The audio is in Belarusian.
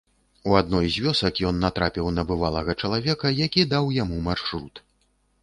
У адной з вёсак ён натрапіў на бывалага чалавека, які даў яму маршрут.